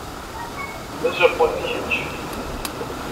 D ajapuni kečč?